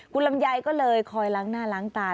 คุณลำไยก็เลยคอยล้างหน้าล้างตา